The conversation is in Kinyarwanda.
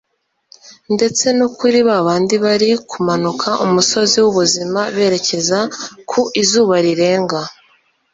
ndetse no kuri ba bandi bari kumanuka umusozi w'ubuzima berekeza ku izuba rirenga